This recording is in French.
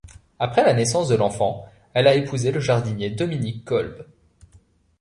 Après la naissance de l'enfant, elle a épousé le jardinier Dominique Kolb.